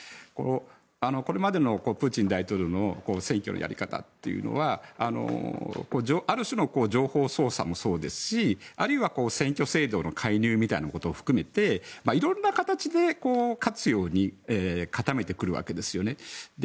これまでのプーチン大統領の選挙のやり方というのはある種の情報操作もそうですしあるいは選挙制度の介入みたいなことも含めて色んな形で勝つように固めてくるわけですよね。